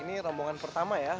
ini rombongan pertama ya